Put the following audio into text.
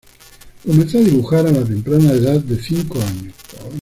Comenzó a dibujar a la temprana edad de cinco años.